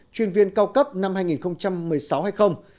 chuyên viên cao cấp năm hai nghìn một mươi sáu hay không